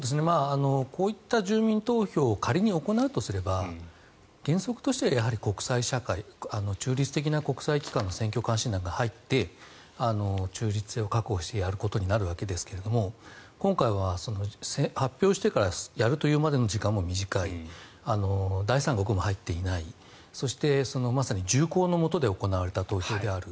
こういった住民投票を仮に行うとすれば原則としては国際社会中立的な国際機関の選挙監視団が入って中立性を確保してやることになるわけですが今回は発表してからやるというまでの時間も短い第三国も入っていないそして、まさに銃口のもとで行われた投票である。